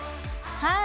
はい！